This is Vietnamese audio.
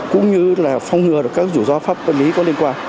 cũng như là phong ngừa các rủi ro pháp quân lý có liên quan